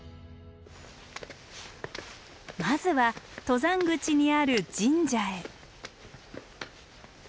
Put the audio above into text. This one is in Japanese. まずは登山口にある神社へ。